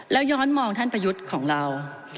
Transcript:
แล้วย้อนมองท่านประยุทธ์ของเรา